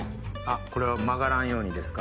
これは曲がらんようにですか？